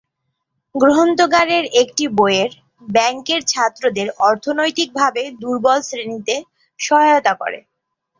গ্রন্থাগারের একটি বইয়ের ব্যাংকের ছাত্রদের অর্থনৈতিকভাবে দুর্বল শ্রেণিতে সহায়তা করে।